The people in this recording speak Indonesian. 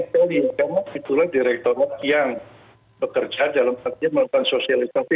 sekali lagi itulah direktorat yang bekerja dalam hal ini melakukan sosialisasi